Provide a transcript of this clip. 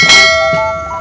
di titik kmnya cirawas